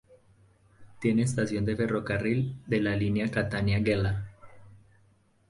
Tiene estación de ferrocarril de la línea Catania-Gela.